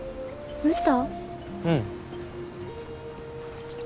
うん。